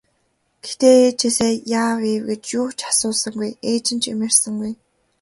Гэхдээ ээжээсээ яав ийв гэж юу ч асуусангүй, ээж нь ч юм ярьсангүй.